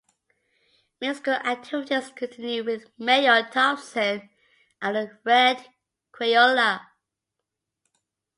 Musical activities continued with Mayo Thompson and The Red Crayola.